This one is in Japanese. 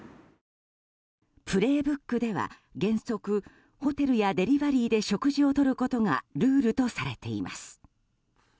「プレイブック」では原則、ホテルやデリバリーで食事をとることがルールとされています。